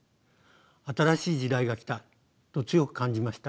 新しい時代が来たと強く感じました。